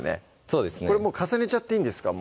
そうですね重ねちゃっていいんですか？